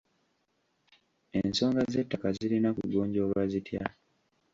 Ensonga z'ettaka zirina kugonjoolwa zitya?